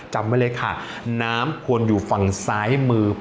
จำไว้เลยค่ะน้ำควรอยู่ฝั่งซ้ายมือ